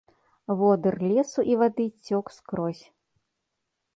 Водыр лесу і вады цёк скрозь.